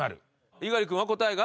猪狩君は答えが？